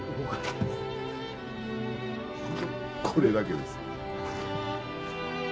これだけです。